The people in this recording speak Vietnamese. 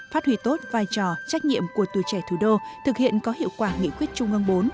phát huy tốt vai trò trách nhiệm của tuổi trẻ thủ đô thực hiện có hiệu quả nghị quyết trung ương bốn